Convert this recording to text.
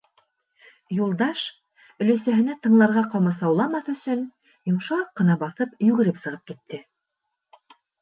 Юлдаш, өләсәһенә тыңларға ҡамасауламаҫ өсөн, йомшаҡ ҡына баҫып, йүгереп сығып китте.